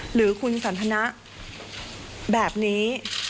หรือคุณสาธารณะแบบนี้